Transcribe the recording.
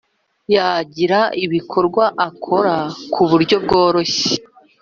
yagira ibikorwa akora ku buryo bworoshye